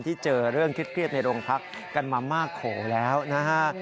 เจอเรื่องเครียดในโรงพักกันมามากโขแล้วนะฮะ